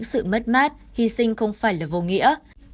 sự mất mát hy sinh không phải là vô nghĩa